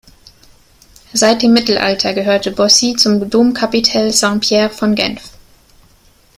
Seit dem Mittelalter gehörte Bossey zum Domkapitel Saint-Pierre von Genf.